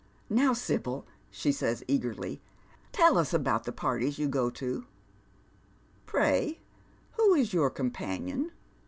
" Now, Sibyl I " she says, eagerly, *' tell us about the parties you go to." " Pray, who is your companion